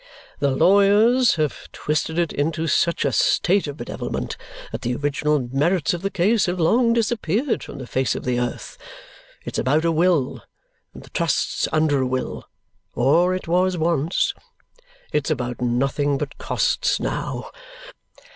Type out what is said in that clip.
"The lawyers have twisted it into such a state of bedevilment that the original merits of the case have long disappeared from the face of the earth. It's about a will and the trusts under a will or it was once. It's about nothing but costs now.